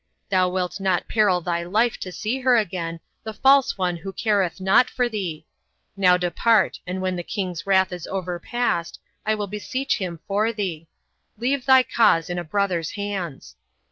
Thou wilt not peril thy life to see her again, the false one who careth not for thee. Now depart, and when the king's wrath is overpast, I will beseech him for thee. Leave thy cause in a brother's hands."